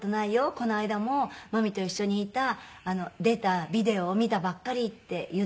「この間も真実と一緒にいたレタービデオを見たばっかり」って言って。